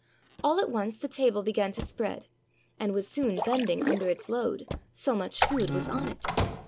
All at once the table began to spread, and was soon bending under its load, so much food was on it.